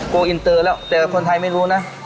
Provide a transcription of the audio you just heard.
อินเตอร์แล้วแต่คนไทยไม่รู้นะ